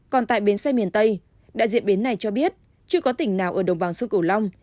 còn tại bến xe miền tây đại diện bến này cho biết chưa có tỉnh nào ở đồng bằng sông cửu long